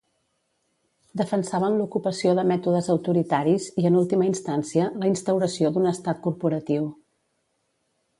Defensaven l'ocupació de mètodes autoritaris i en última instància, la instauració d'un estat corporatiu.